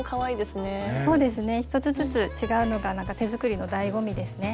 そうですね１つずつ違うのが手作りの醍醐味ですね。